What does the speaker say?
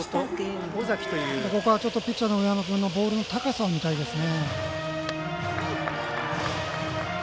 ここはピッチャーの上山君のボールの高さを見たいですね。